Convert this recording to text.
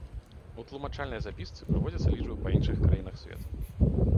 У тлумачальнай запісцы прыводзяцца лічбы па іншых краінах свету.